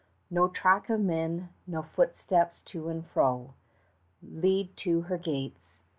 No track of men, no footsteps to and fro, 5 Lead to her gates.